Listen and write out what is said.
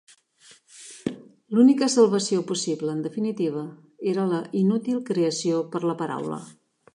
L'única salvació possible, en definitiva, era la «inútil creació per la paraula».